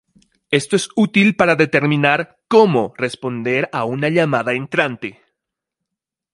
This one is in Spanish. Esto es útil para determinar cómo responder a una llamada entrante.